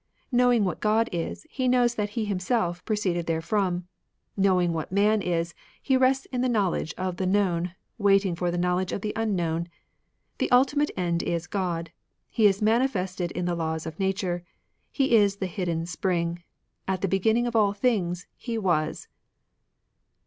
Knowing what God is, he knows that he himself proceeded therefrom. Knowing what Man is, he rests in the knowledge of the known, waiting for the knowledge of the un known. " The ultimate end is God. He is manifested in the laws of nature. He is the hidden spring. At the beginning of all things, He was."